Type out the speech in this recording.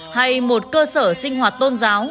hay một cơ sở sinh hoạt tôn giáo